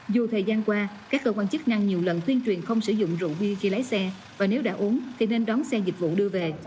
dù thời gian qua các cơ quan chức năng nhiều lần tuyên truyền không sử dụng rượu bia khi lái xe và nếu đã uống thì nên đón xe dịch vụ đưa về